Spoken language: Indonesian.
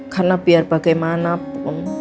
karena biar bagaimanapun